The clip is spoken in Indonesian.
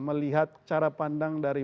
melihat cara pandang dari